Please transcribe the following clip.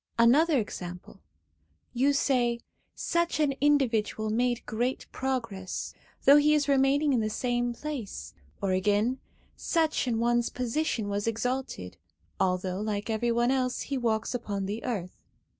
Another example: you say, 'such an individual made great progress,' though he is remaining in the same place; or again, 'such an one's position was exalted/ although, like every one else, he walks upon the earth.